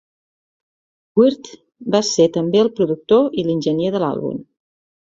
Wirt va ser també el productor i enginyer de l'àlbum.